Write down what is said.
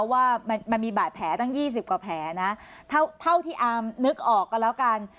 ว่ามันมีบาดแผลตั้ง๒๐กว่าแผลนะเท่าที่อาร์มนึกออกก็แล้วกัน